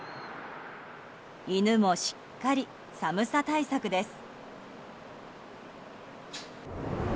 犬もしっかり寒さ対策です。